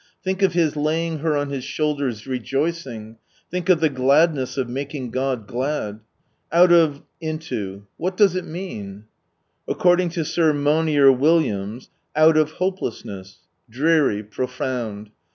Think of His laying her on His shoulders rejoicing ! Think of " the gladness of making God glad 1 " Out of into : what does it mean ? According to Sir Monier Williams, Ouf oj hopelessness, dreary, profound.